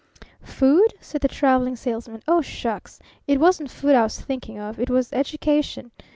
"Food?" said the Traveling Salesman. "Oh, shucks! It wasn't food I was thinking of. It was education.